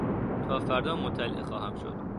تا فردا مطلع خواهم شد.